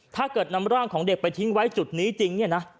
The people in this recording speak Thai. ถ้าเกิดนำร่างของเด็กไปทิ้งไว้จุดนี้จริงเนี่ยนะ